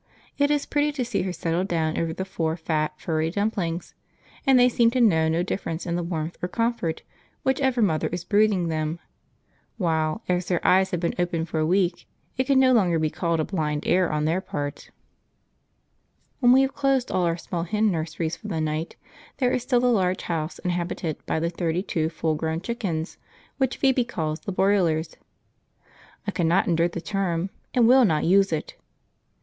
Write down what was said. It is pretty to see her settle down over the four, fat, furry dumplings, and they seem to know no difference in warmth or comfort, whichever mother is brooding them; while, as their eyes have been open for a week, it can no longer be called a blind error on their part. {Coaxed out ... by youthful curiosity: p33.jpg} When we have closed all our small hen nurseries for the night, there is still the large house inhabited by the thirty two full grown chickens which Phoebe calls the broilers. I cannot endure the term, and will not use it.